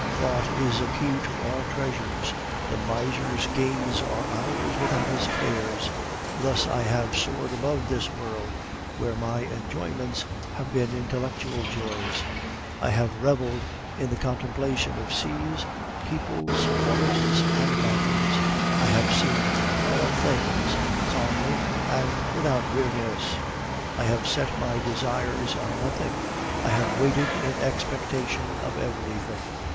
Thought is a key to all treasures; the miser's gains are ours without his cares. Thus I have soared above this world, where my enjoyments have been intellectual joys. I have reveled in the contemplation of seas, peoples, forests, and mountains! I have seen all things, calmly, and without weariness; I have set my desires on nothing; I have waited in expectation of everything.